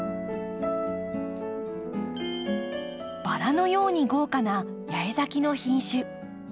バラのように豪華な八重咲きの品種。